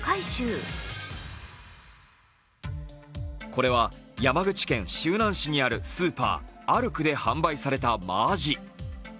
これは山口県周南市にあるスーパーアルクで販売された真アジ。